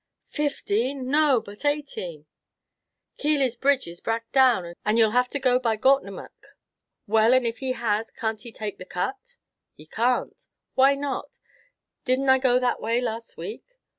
"Fifteen! no, but eighteen! Kiely's bridge is brack down, and you 'll have to go by Gortnamuck." "Well, and if he has, can't he take the cut?" "He can't." "Why not? Did n't I go that way last week?"